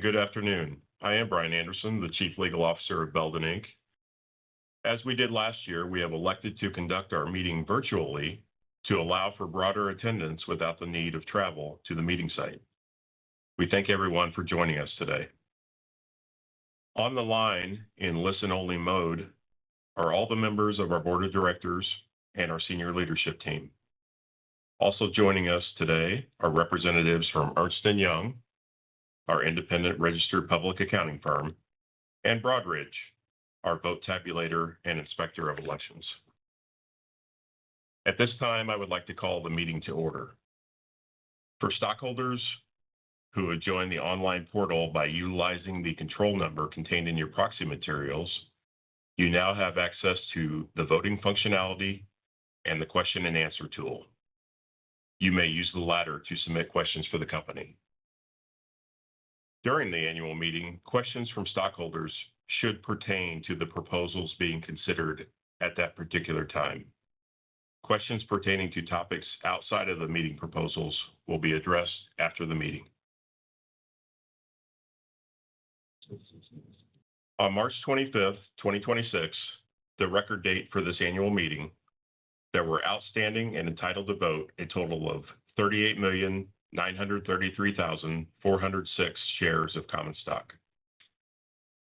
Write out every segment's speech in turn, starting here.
Good afternoon. I am Brian Anderson, the Chief Legal Officer of Belden Inc. As we did last year, we have elected to conduct our meeting virtually to allow for broader attendance without the need of travel to the meeting site. We thank everyone for joining us today. On the line, in listen-only mode, are all the members of our board of directors and our senior leadership team. Also joining us today are representatives from Ernst & Young, our independent registered public accounting firm, and Broadridge, our vote tabulator and inspector of elections. At this time, I would like to call the meeting to order. For stockholders who had joined the online portal by utilizing the control number contained in your proxy materials, you now have access to the voting functionality and the question-and-answer tool. You may use the latter to submit questions for the company. During the annual meeting, questions from stockholders should pertain to the proposals being considered at that particular time. Questions pertaining to topics outside of the meeting proposals will be addressed after the meeting. On March 25th, 2026, the record date for this annual meeting, there were outstanding and entitled to vote a total of 38,933,406 shares of common stock.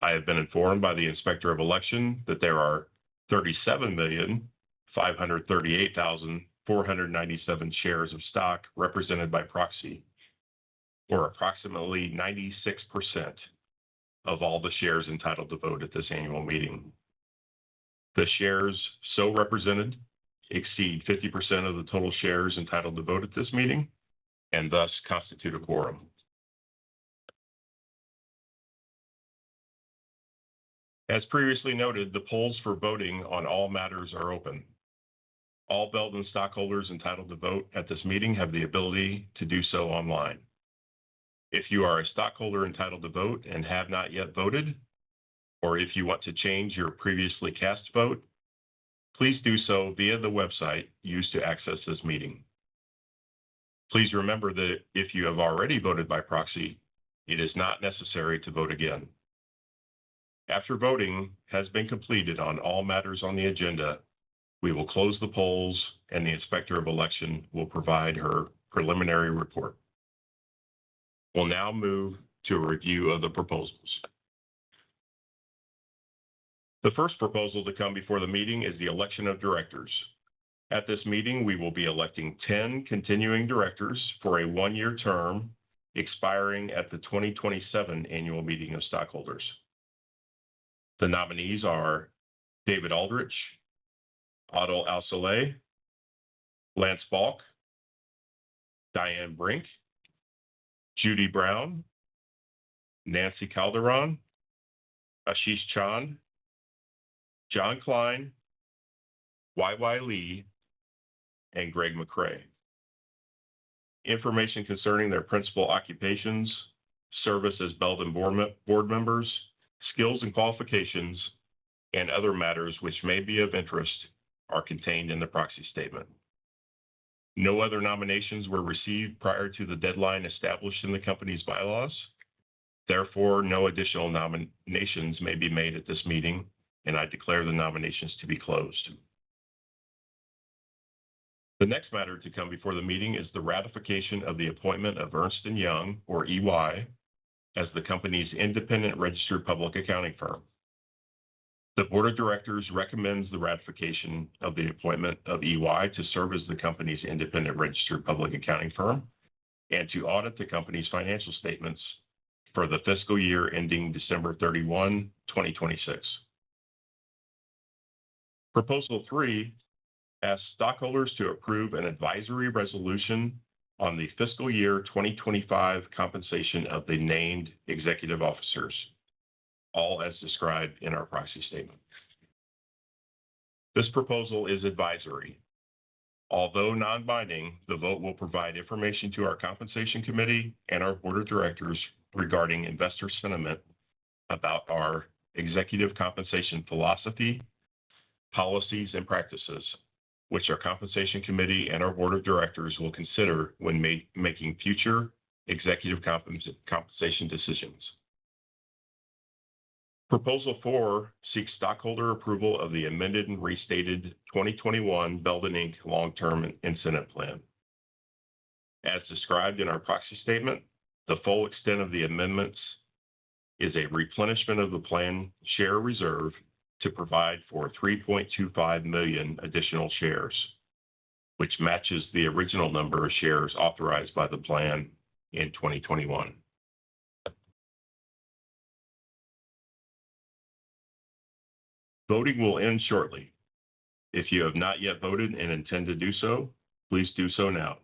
I have been informed by the Inspector of Election that there are 37,538,497 shares of stock represented by proxy, or approximately 96% of all the shares entitled to vote at this annual meeting. The shares so represented exceed 50% of the total shares entitled to vote at this meeting and thus constitute a quorum. As previously noted, the polls for voting on all matters are open. All Belden stockholders entitled to vote at this meeting have the ability to do so online. If you are a stockholder entitled to vote and have not yet voted, or if you want to change your previously cast vote, please do so via the website used to access this meeting. Please remember that if you have already voted by proxy, it is not necessary to vote again. After voting has been completed on all matters on the agenda, we will close the polls, and the Inspector of Election will provide her preliminary report. We will now move to a review of the proposals. The first proposal to come before the meeting is the election of directors. At this meeting, we will be electing 10 continuing directors for a one-year term expiring at the 2027 annual meeting of stockholders. The nominees are David Aldrich, Adel Al-Saleh, Lance C. Balk, Diane Brink, Judy L. Brown, Nancy Calderon, Ashish Chand, Jonathan Klein, YY Lee, and Gregory J. McCray. Information concerning their principal occupations, service as Belden board members, skills and qualifications, and other matters which may be of interest are contained in the proxy statement. No other nominations were received prior to the deadline established in the company's bylaws, therefore, no additional nominations may be made at this meeting, and I declare the nominations to be closed. The next matter to come before the meeting is the ratification of the appointment of Ernst & Young, or EY, as the company's independent registered public accounting firm. The board of directors recommends the ratification of the appointment of EY to serve as the company's independent registered public accounting firm and to audit the company's financial statements for the fiscal year ending December 31, 2026. Proposal 3 asks stockholders to approve an advisory resolution on the fiscal year 2025 compensation of the named executive officers, all as described in our proxy statement. This proposal is advisory. Although non-binding, the vote will provide information to our compensation committee and our board of directors regarding investor sentiment about our executive compensation philosophy, policies, and practices, which our compensation committee and our board of directors will consider when making future executive compensation decisions. Proposal 4 seeks stockholder approval of the amended and restated 2021 Belden Inc. Long Term Incentive Plan. As described in our proxy statement, the full extent of the amendments is a replenishment of the plan share reserve to provide for 3.25 million additional shares, which matches the original number of shares authorized by the plan in 2021. Voting will end shortly. If you have not yet voted and intend to do so, please do so now.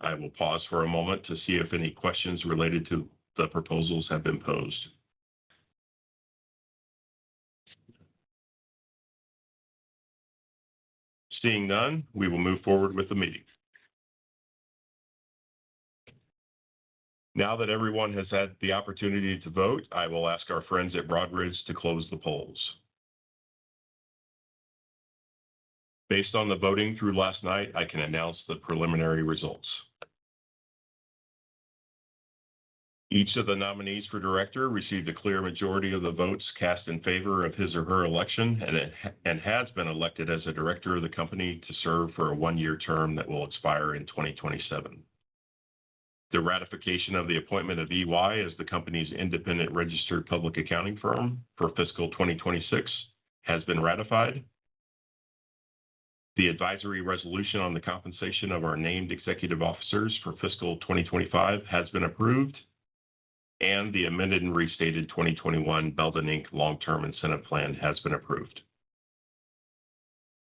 I will pause for a moment to see if any questions related to the proposals have been posed. Seeing none, we will move forward with the meeting. Now that everyone has had the opportunity to vote, I will ask our friends at Broadridge Financial Solutions, Inc. to close the polls. Based on the voting through last night, I can announce the preliminary results. Each of the nominees for director received a clear majority of the votes cast in favor of his or her election and has been elected as a director of the company to serve for a one-year term that will expire in 2027. The ratification of the appointment of EY as the company's independent registered public accounting firm for fiscal 2026 has been ratified. The advisory resolution on the compensation of our named executive officers for fiscal 2025 has been approved, and the amended and restated 2021 Belden Inc. Long Term Incentive Plan has been approved.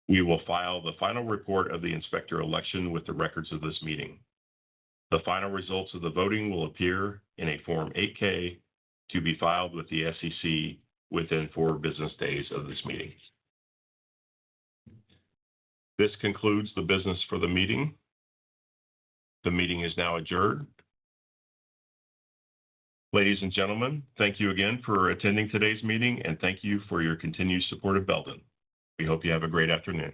We will file the final report of the Inspector Election with the records of this meeting. The final results of the voting will appear in a Form 8-K to be filed with the SEC within four business days of this meeting. This concludes the business for the meeting. The meeting is now adjourned. Ladies and gentlemen, thank you again for attending today's meeting and thank you for your continued support of Belden. We hope you have a great afternoon.